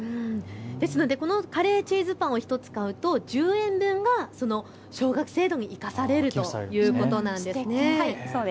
ですのでこのカレーチーズパンを１つ買うと１０円分がその奨学制度に生かされるということなんですね。